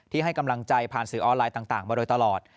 ให้กำลังใจผ่านสื่อออนไลน์ต่างมาโดยตลอด